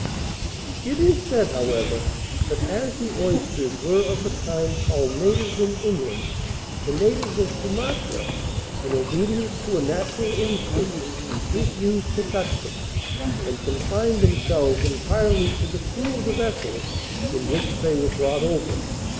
] It is said, however, that, as the oysters were of the kind called natives in England, the natives of Sumatra, in obedience to a natural instinct, refused to touch them, and confined themselves entirely to the crew of the vessel in which they were brought over.